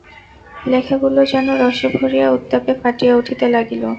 লেখাগুলো যেন রসে ভরিয়া উত্তাপে ফাটিয়া উঠিতে লাগিল।